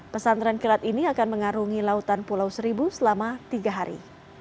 pesantren kilat ini akan mengarungi lautan pulau seribu selama tiga hari